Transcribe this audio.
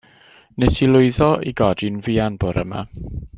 Nes i lwyddo i godi'n fuan bora 'ma.